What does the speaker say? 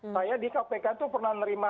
saya di kpk itu pernah menerima